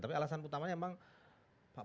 tapi alasan utamanya memang pak